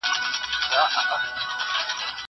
هغه څوک چې منډه وهي قوي کېږي!!